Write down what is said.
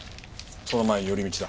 その前に寄り道だ。